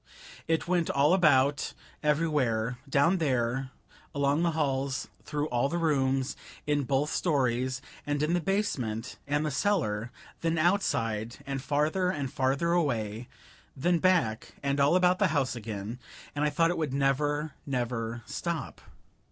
It went all about, everywhere, down there: along the halls, through all the rooms, in both stories, and in the basement and the cellar; then outside, and farther and farther away then back, and all about the house again, and I thought it would never, never stop.